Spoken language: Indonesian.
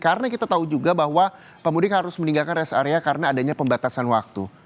karena kita tahu juga bahwa pemudik harus meninggalkan res area karena adanya pembatasan waktu